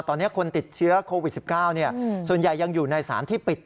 ตอนนี้คนติดเชื้อโควิด๑๙ส่วนใหญ่ยังอยู่ในสารที่ปิด